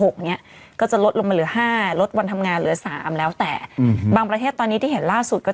อุณหภูมิลดลงประมาณสัก๑๒